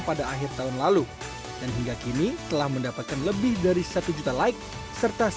pada akhir tahun lalu dan hingga kini telah mendapatkan lebih dari satu juta like serta